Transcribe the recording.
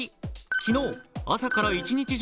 昨日、朝から一日中